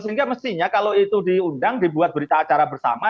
sehingga mestinya kalau itu diundang dibuat berita acara bersama